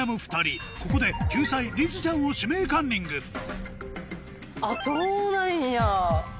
ここで救済りづちゃんを指名カンニングあっそうなんや。